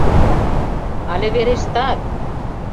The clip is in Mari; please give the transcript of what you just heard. — Але верештат!